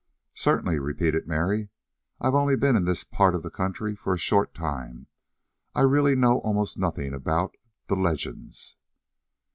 "Certainly," repeated Mary. "I've only been in this part of the country for a short time. I really know almost nothing about the legends."